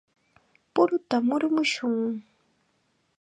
¡Puruta murumushun!